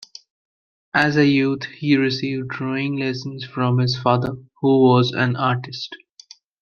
As a youth, he received drawing lessons from his father, who was an artist.